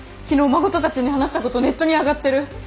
昨日真琴たちに話したことネットに上がってる。